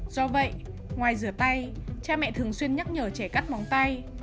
do vậy ngoài rửa tay cha mẹ thường xuyên nhắc nhở trẻ cắt bóng tay